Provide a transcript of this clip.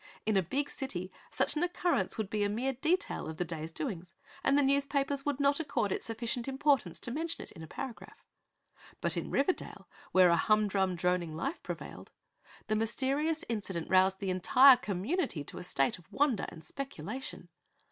In a big city such an occurrence would be a mere detail of the day's doings and the newspapers would not accord it sufficient importance to mention it in a paragraph; but in Riverdale, where a humdrum, droning life prevailed, the mysterious incident roused the entire community to a state of wonder and speculation.